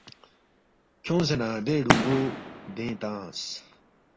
کھیونگسے نہ دے ڈونگو دینگ تنگس